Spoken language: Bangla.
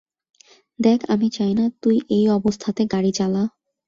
দেখ, আমি চাই না তুই এই অবস্থাতে গাড়ি চালা।